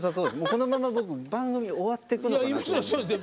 このまま僕番組終わっていくのかなと。